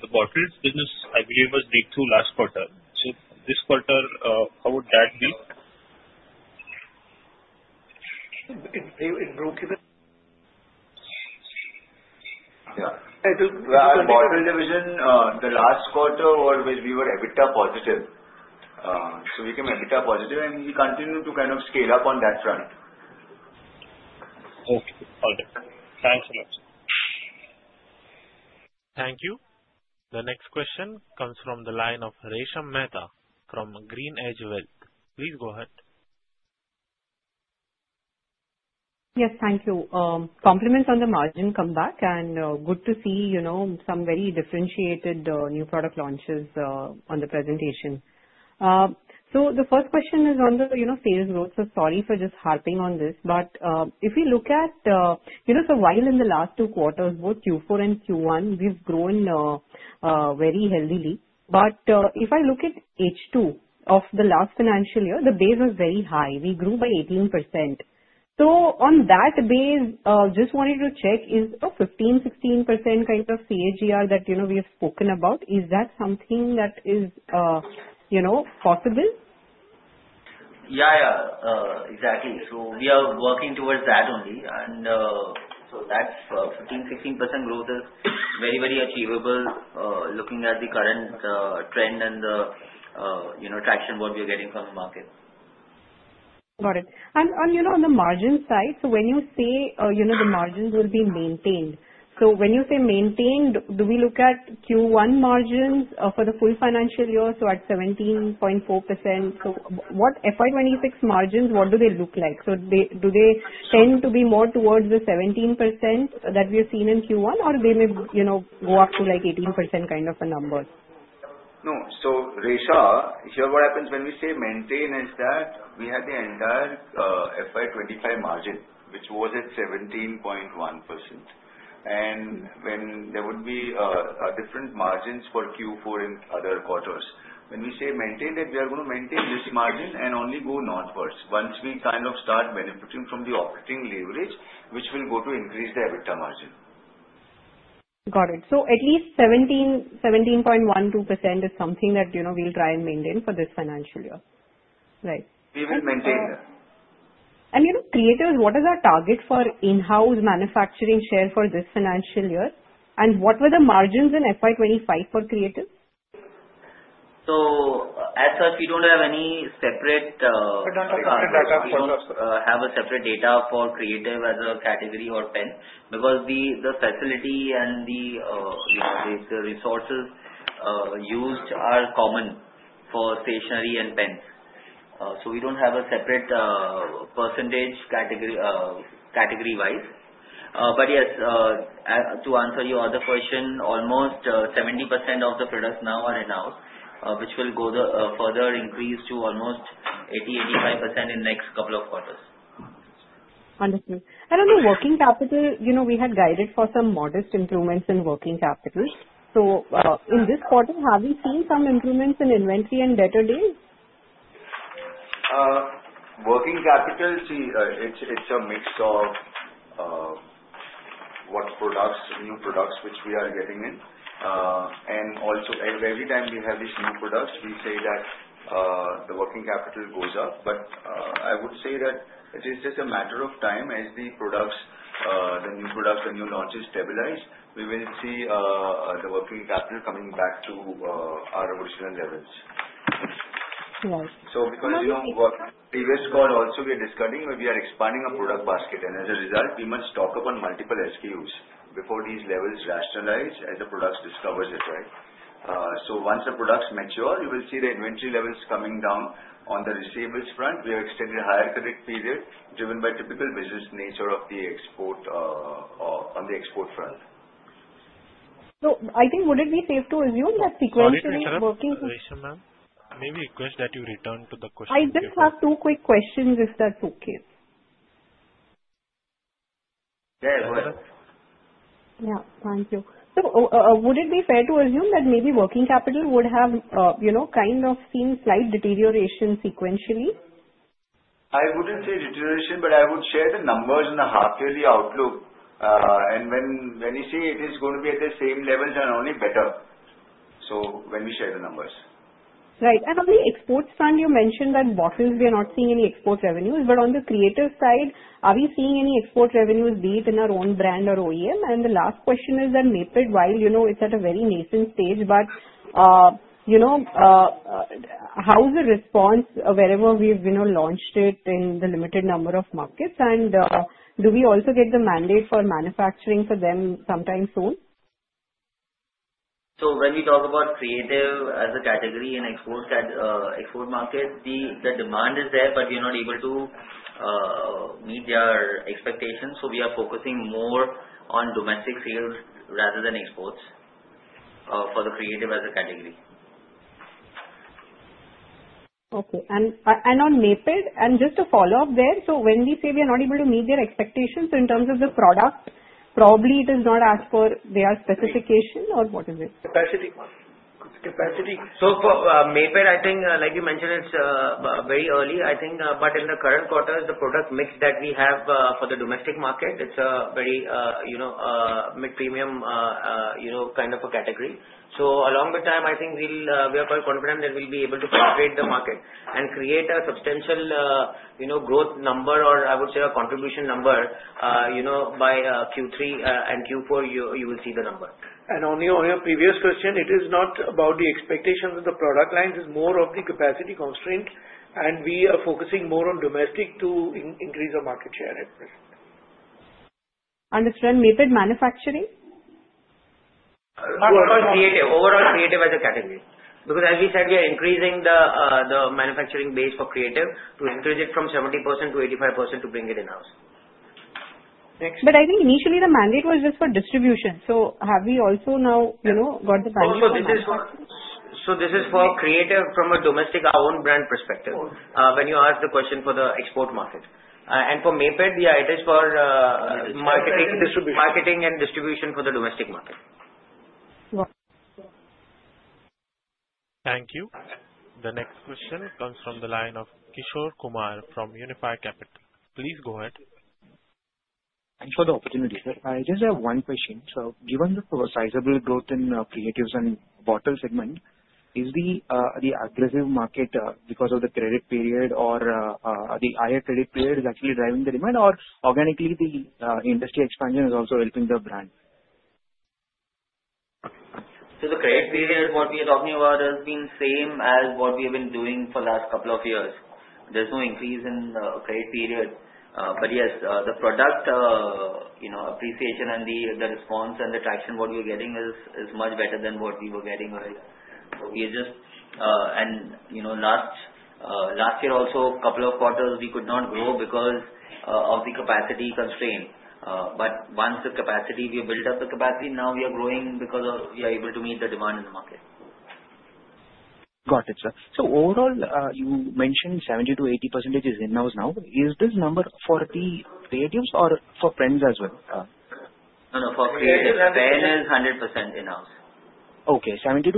the Bottle business, I believe, was breakthrough last quarter. So this quarter, how would that be? Yeah. So the Bottle division, the last quarter, we were EBITDA positive. So we came EBITDA positive, and we continue to kind of scale up on that front. Okay. Got it. Thanks a lot. Thank you. The next question comes from the line of Resha Mehta from GreenEdge Wealth. Please go ahead. Yes. Thank you. Compliments on the margin comeback, and good to see some very differentiated new product launches on the presentation. So the first question is on the sales growth. So sorry for just harping on this, but if we look at so while in the last two quarters, both Q4 and Q1, we've grown very heavily. But if I look at H2 of the last financial year, the base was very high. We grew by 18%. So on that base, just wanted to check, is a 15%-16% kind of CAGR that we have spoken about, is that something that is possible? Yeah. Yeah. Exactly. So we are working towards that only. And so that 15%-16% growth is very, very achievable looking at the current trend and the traction what we are getting from the market. Got it. On the margin side, so when you say the margins will be maintained, so when you say maintained, do we look at Q1 margins for the full financial year, so at 17.4%? So what FY 2026 margins, what do they look like? So do they tend to be more towards the 17% that we have seen in Q1, or they may go up to like 18% kind of a number? No. Resha, here what happens when we say maintain is that we had the entire FY 2025 margin, which was at 17.1%. And there would be different margins for Q4 and other quarters. When we say maintain that, we are going to maintain this margin and only go northwards once we kind of start benefiting from the operating leverage, which will go to increase the EBITDA margin. Got it. At least 17.12% is something that we'll try and maintain for this financial year. Right? We will maintain that. And in Creatives, what is our target for in-house manufacturing share for this financial year? And what were the margins in FY 2025 for Creative? So as such, we don't have any separate data for Creative as a category or Pen because the facility and the resources used are common for stationery and pens. So we don't have a separate percentage category-wise. But yes, to answer your other question, almost 70% of the products now are in-house, which will go further increase to almost 80%-85% in the next couple of quarters. Understood. And on the working capital, we had guided for some modest improvements in working capital. So in this quarter, have we seen some improvements in inventory and debtor days? Working capital. See, it's a mix of new products which we are getting in. And also, every time we have these new products, we say that the working capital goes up. But I would say that it is just a matter of time as the new products, the new launches stabilize. We will see the working capital coming back to our original levels. So because previous call also we are discussing, we are expanding our product basket. And as a result, we must stock up on multiple SKUs before these levels rationalize as the products discover it, right? So once the products mature, you will see the inventory levels coming down. On the receivables front, we have extended higher credit period driven by typical business nature of the export on the export front. So I think would it be safe to assume that sequentially working? Sorry, Resha, ma'am. Maybe request that you return to the questions. I just have two quick questions if that's okay. Yeah. Go ahead. Yeah. Thank you. So would it be fair to assume that maybe working capital would have kind of seen slight deterioration sequentially? I wouldn't say deterioration, but I would share the numbers in the half-yearly outlook. And when we say it is going to be at the same levels, and only better. So when we share the numbers. Right. And on the exports front, you mentioned that Bottles, we are not seeing any export revenues. But on the Creative side, are we seeing any export revenues beat in our own brand or OEM? And the last question is that maybe while it's at a very nascent stage, but how's the response wherever we've launched it in the limited number of markets? Do we also get the mandate for manufacturing for them sometime soon? When we talk about Creative as a category in export market, the demand is there, but we are not able to meet their expectations. We are focusing more on domestic sales rather than exports for the Creative as a category. Okay. On Maped, and just to follow up there, when we say we are not able to meet their expectations in terms of the product, probably it is not as per their specification or what is it? Capacity. Maped, I think, like you mentioned, it's very early, I think. In the current quarters, the product mix that we have for the domestic market, it's a very mid-premium kind of a category. Along with time, I think we are quite confident that we'll be able to penetrate the market and create a substantial growth number, or I would say a contribution number by Q3 and Q4. You will see the number. And on your previous question, it is not about the expectations of the product lines. It's more of the capacity constraint, and we are focusing more on domestic to increase our market share. Understood. And Maped manufacturing? Overall Creative. Overall Creative as a category. Because as we said, we are increasing the manufacturing base for creative to increase it from 70% to 85% to bring it in-house. But I think initially the mandate was just for distribution. So have we also now got the balance? So this is for Creative from a domestic, our own brand perspective. When you ask the question for the export market. And for Maped, yeah, it is for marketing and distribution for the domestic market. Got it. Thank you. The next question comes from the line of Kishore Kumar from Unifi Capital. Please go ahead. Thanks for the opportunity. I just have one question. So given the sizable growth in Creatives and Bottle segment, is the aggressive marketing because of the credit period or the higher credit period is actually driving the demand, or organically the industry expansion is also helping the brand? So the credit period, what we are talking about, has been same as what we have been doing for the last couple of years. There's no increase in the credit period. But yes, the product appreciation and the response and the traction what we are getting is much better than what we were getting earlier. So we just and last year also, a couple of quarters, we could not grow because of the capacity constraint. But once the capacity, we built up the capacity. Now we are growing because we are able to meet the demand in the market. Got it, sir. So overall, you mentioned 70%-80% is in-house now. Is this number for the Creatives or for Pens as well? No, no. For Creatives, Pen is 100% in-house. Okay. 70%-80%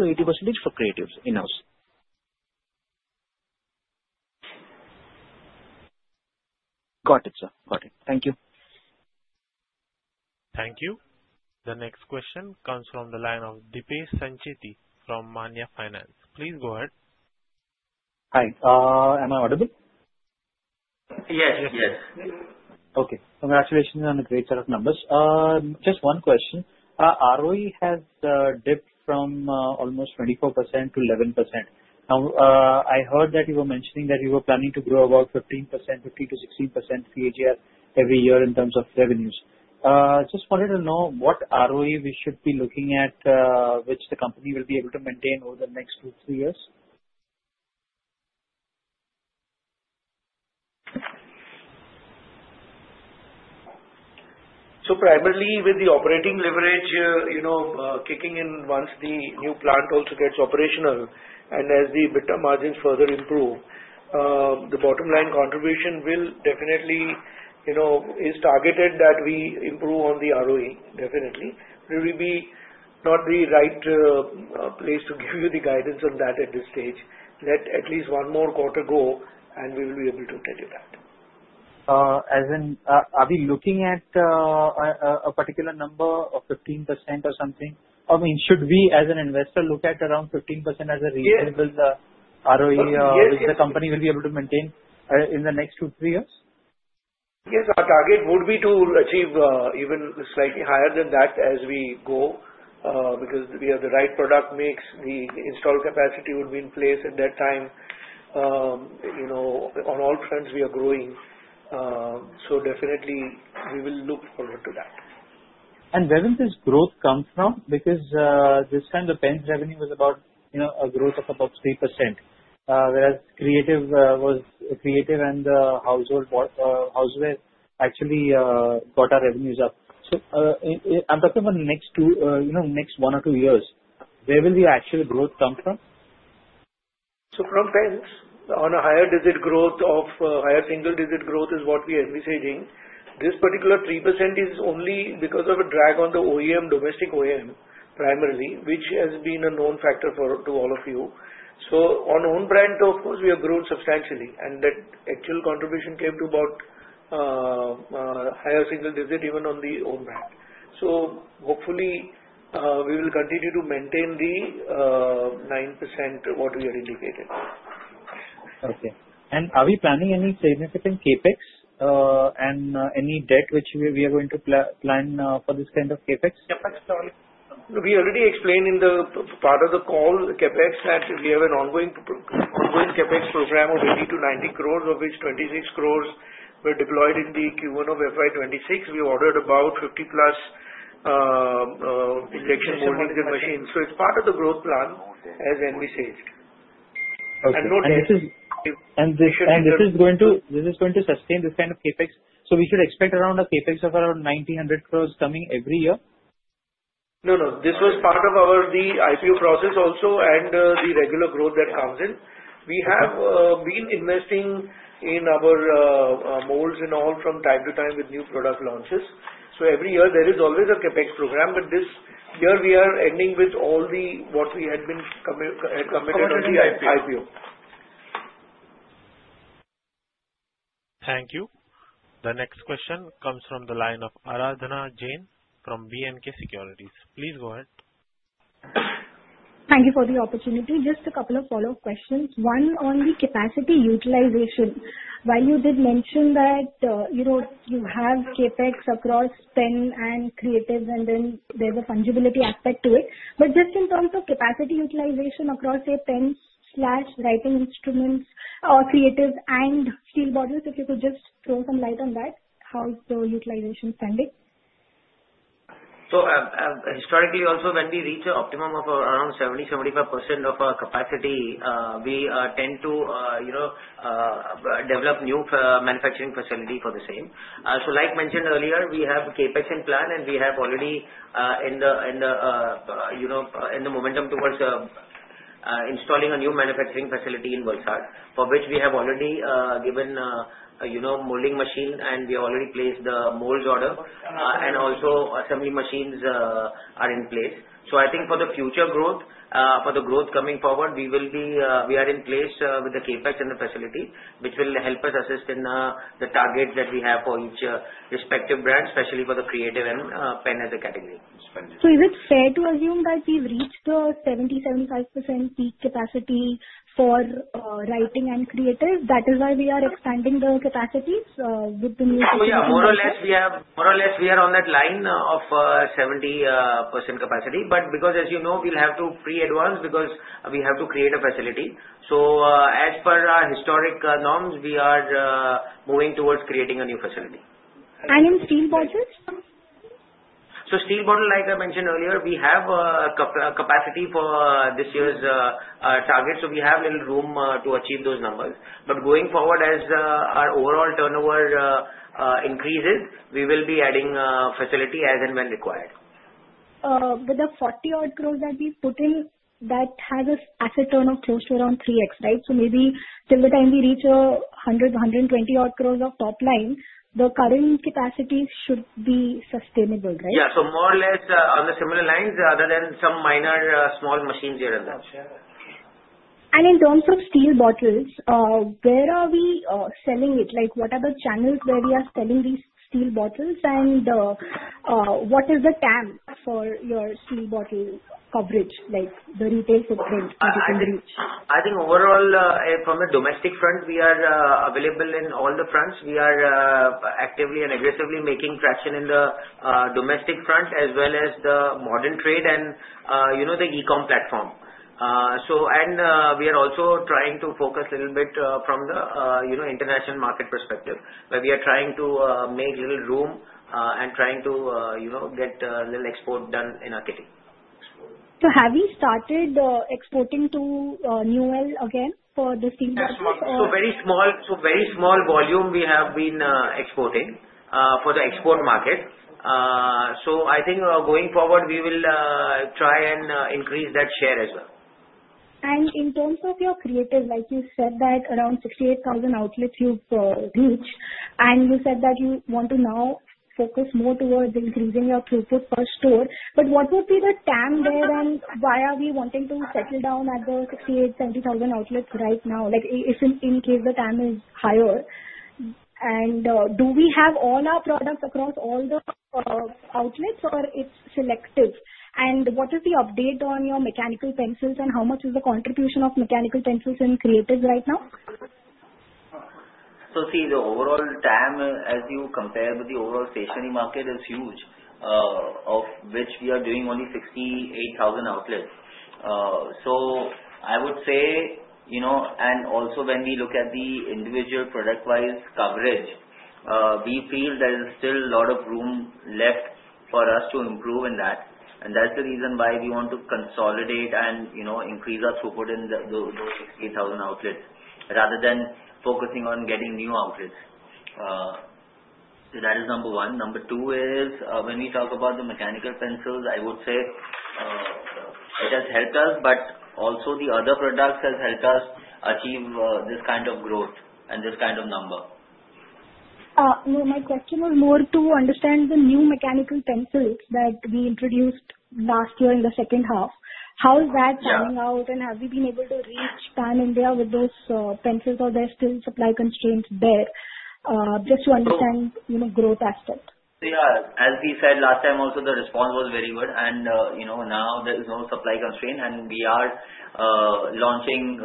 for Creatives in-house. Got it, sir. Got it. Thank you. Thank you. The next question comes from the line of Deepesh Sancheti from Maanya Finance. Please go ahead. Hi. Am I audible? Yes. Yes. Okay. Congratulations on a great set of numbers. Just one question. ROE has dipped from almost 24% to 11%. Now, I heard that you were mentioning that you were planning to grow about 15%-16% CAGR every year in terms of revenues. Just wanted to know what ROE we should be looking at, which the company will be able to maintain over the next two, three years? So primarily with the operating leverage kicking in once the new plant also gets operational and as the EBITDA margins further improve, the bottom line contribution will definitely is targeted that we improve on the ROE, definitely. But it will be not the right place to give you the guidance on that at this stage. Let at least one more quarter go, and we will be able to tell you that. As in, are we looking at a particular number of 15% or something? I mean, should we as an investor look at around 15% as a reasonable ROE the company will be able to maintain in the next two, three years? Yes. Our target would be to achieve even slightly higher than that as we go because we have the right product mix. The installed capacity would be in place at that time. On all fronts, we are growing. So definitely, we will look forward to that. And where does this growth come from? Because this time the Pens revenue was about a growth of about 3%, whereas Creative and Houseware actually got our revenues up. So I'm talking about the next one or two years. Where will the actual growth come from? So from Pens, high single-digit growth is what we are envisaging. This particular 3% is only because of a drag on the domestic OEM primarily, which has been a known factor to all of you. So on own brand, of course, we have grown substantially. And that actual contribution came to about higher single digit even on the own brand. So hopefully, we will continue to maintain the 9% what we had indicated. Okay. And are we planning any significant CapEx and any debt which we are going to plan for this kind of CapEx? We already explained in the part of the call, CapEx, that we have an ongoing CapEx program of 80 crores-90 crores, of which 26 crores were deployed in the Q1 of FY 2026. We ordered about 50-plus injection molding machines. So it's part of the growth plan as envisaged. And this is going to sustain this kind of CapEx. So we should expect around a CapEx of around 1,900 crores coming every year? No, no. This was part of our IPO process also and the regular growth that comes in. We have been investing in our molds and all from time to time with new product launches. So every year, there is always a CapEx program. But this year, we are ending with all the what we had been committed on the IPO. Thank you. The next question comes from the line of Aradhana Jain from B&K Securities. Please go ahead. Thank you for the opportunity. Just a couple of follow-up questions. One on the capacity utilization. While you did mention that you have CapEx across Pen and Creative, and then there's a fungibility aspect to it. Just in terms of capacity utilization across Pen/Writing instruments, Creative, and Steel Bottles, if you could just throw some light on that, how's the utilization spending? Historically, also when we reach an optimum of around 70%-75% of our capacity, we tend to develop new manufacturing facility for the same. Like mentioned earlier, we have a CapEx in plan, and we have already in the momentum towards installing a new manufacturing facility in Valsad, for which we have already given a molding machine, and we already placed the molds order. And also, assembly machines are in place. I think for the future growth, for the growth coming forward, we are in place with the CapEx and the facility, which will help us assist in the targets that we have for each respective brand, especially for the Creative and Pen as a category. Is it fair to assume that we've reached the 70%-75% peak capacity for Writing and Creative? That is why we are expanding the capacities with the new CapEx. Yeah, more or less, we are on that line of 70% capacity. But because, as you know, we'll have to pre-advance because we have to create a facility. As per our historic norms, we are moving towards creating a new facility. And in Steel Bottles? Steel Bottle, like I mentioned earlier, we have a capacity for this year's target. So we have little room to achieve those numbers. But going forward, as our overall turnover increases, we will be adding facility as and when required. With the 40-odd crores that we've put in, that has us at a turnover close to around 3x, right? So maybe till the time we reach 100 crores-120-odd crores of top line, the current capacity should be sustainable, right? Yeah. So more or less on the similar lines, other than some minor small machines here and there. And in terms of Steel Bottles, where are we selling it? What are the channels where we are selling these Steel Bottles? And what is the TAM for your Steel Bottle coverage, the retail footprint that you can reach? I think overall, from the domestic front, we are available in all the fronts. We are actively and aggressively making traction in the domestic front as well as the modern trade and the e-comm platform. And we are also trying to focus a little bit from the international market perspective, where we are trying to make little room and trying to get little export done in our country. So have you started exporting to Newell again for the steel bottles? So very small volume we have been exporting for the export market. So I think going forward, we will try and increase that share as well. And in terms of your Creative, like you said that around 68,000 outlets you've reached, and you said that you want to now focus more towards increasing your throughput per store. But what would be the TAM there, and why are we wanting to settle down at the 68,000, 70,000 outlets right now, in case the TAM is higher? And do we have all our products across all the outlets, or it's selective? And what is the update on your mechanical pencils, and how much is the contribution of mechanical pencils and creatives right now? So, see, the overall TAM, as you compare with the overall stationery market, is huge, of which we are doing only 68,000 outlets. So I would say, and also when we look at the individual product-wise coverage, we feel there is still a lot of room left for us to improve in that. And that's the reason why we want to consolidate and increase our throughput in those 68,000 outlets rather than focusing on getting new outlets. So that is number one. Number two is when we talk about the mechanical pencils. I would say it has helped us, but also the other products have helped us achieve this kind of growth and this kind of number. My question was more to understand the new mechanical pencils that we introduced last year in the second half. How is that coming out, and have we been able to reach pan-India with those pencils, or there's still supply constraints there? Just to understand growth aspect. As we said last time, also the response was very good. And now there is no supply constraint, and we are launching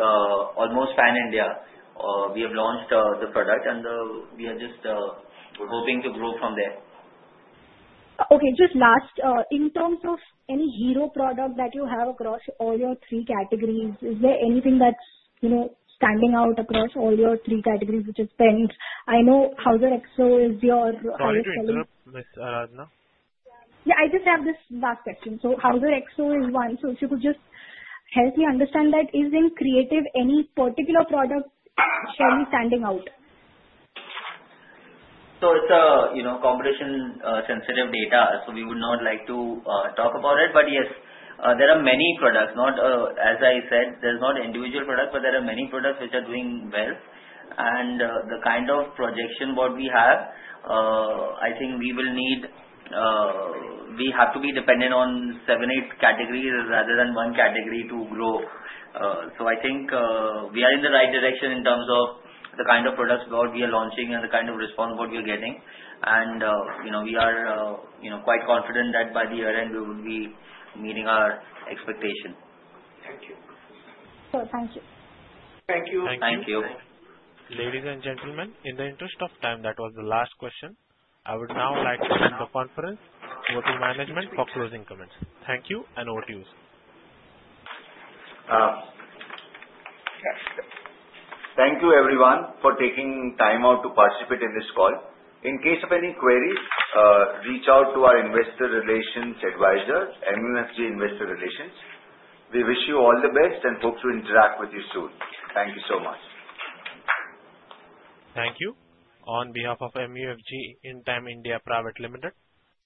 almost pan-India. We have launched the product, and we are just hoping to grow from there. Okay. Just last, in terms of any hero product that you have across all your three categories, is there anything that's standing out across all your three categories, which is Pens? I know Hauser XO is your. Sorry to interrupt, Ms. Aradhana? Yeah. I just have this last question. So Hauser XO is one. So if you could just help me understand that, is there in creative any particular product that's standing out? So it's competition-sensitive data, so we would not like to talk about it. But yes, there are many products. As I said, there's not individual products, but there are many products which are doing well. And the kind of projection what we have, I think we will need we have to be dependent on seven, eight categories rather than one category to grow. So I think we are in the right direction in terms of the kind of products what we are launching and the kind of response what we are getting. And we are quite confident that by the year end, we will be meeting our expectation. Thank you. Sure. Thank you. Thank you. Thank you. Ladies and gentlemen, in the interest of time, that was the last question. I would now like to turn the conference over to management for closing comments. Thank you, and over to you. Thank you, everyone, for taking time out to participate in this call. In case of any queries, reach out to our investor relations advisor, MUFG Investor Relations. We wish you all the best and hope to interact with you soon. Thank you so much. Thank you. On behalf of MUFG Intime India Private Limited,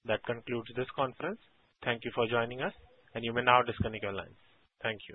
that concludes this conference. Thank you for joining us, and you may now disconnect your lines. Thank you.